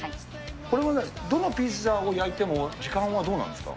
これはどのピザを焼いても、時間はどうなんですか。